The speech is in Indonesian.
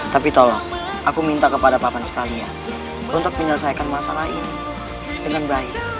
tapi tolong aku minta kepada bapak sekalian untuk menyelesaikan masalah ini dengan baik